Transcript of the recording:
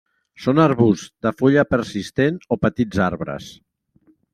Són arbusts de fulla persistent o petits arbres.